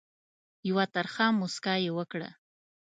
یوه ترخه مُسکا یې وکړه.